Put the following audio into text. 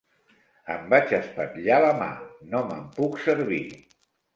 Em vaig espatllar la mà: no me'n puc servir.